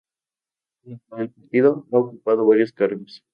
Dentro del partido ha ocupado varios cargos.